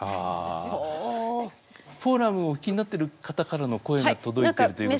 フォーラムをお聞きになっている方からの声が届いてるということで。